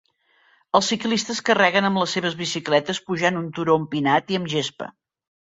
Els ciclistes carreguen amb les seves bicicletes pujant un turó empinat i amb gespa.